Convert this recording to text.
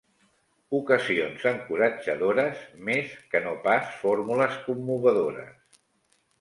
Ocasions encoratjadores, més que no pas fórmules commovedores.